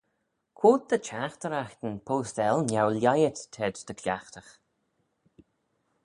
Quoid dy çhaghteraghtyn post-l neu-lhaihit t'ayd dy cliaghtagh?